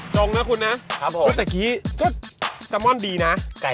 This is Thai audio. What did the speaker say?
จงนะคุณนะพูดเมื่อกี้จุ๊บตามอลดีนะค่ะครับผม